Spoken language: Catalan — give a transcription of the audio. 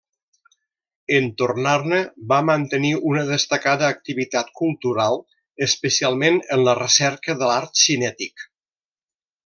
En tornar-ne, va mantenir una destacada activitat cultural, especialment en la recerca de l’art cinètic.